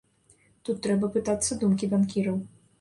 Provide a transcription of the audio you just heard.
Тут трэба пытацца думкі банкіраў.